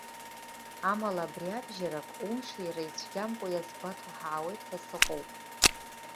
Амала, абри абжьарак, умшира ицәгьамкәа иазгәаҭо ҳаауеит ҳәа сыҟоуп?!